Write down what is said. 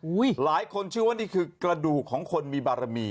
หลายคนเชื่อว่านี่คือกระดูกของคนมีบารมี